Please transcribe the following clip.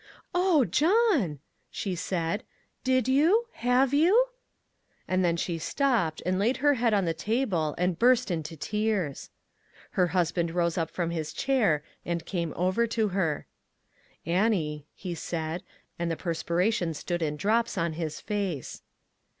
" O John," she said, " did you ?— have 3*ou ?" And then she stopped, and laid her head on the table, and burst into tears. Her husband rose up from his chair and came over to her. "Annie," he said, and the perspiration stood in drops on his face.